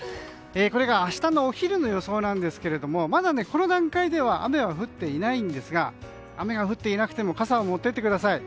明日のお昼の予想ですがまだこの段階では雨は降っていませんが雨が降っていなくても傘を持って行ってください。